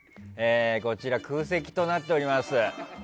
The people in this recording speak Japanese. こちら、空席となっております。